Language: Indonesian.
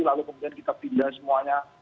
lalu kemudian kita pindah semuanya